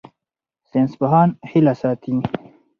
ساینسپوهان هیله ساتي.